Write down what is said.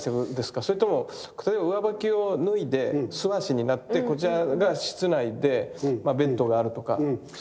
それとも例えば上履きを脱いで素足になってこちらが室内でベッドがあるとかそういう。